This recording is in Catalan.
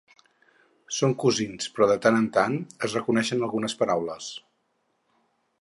Són cosins, però de tant en tant es reconeixen algunes paraules.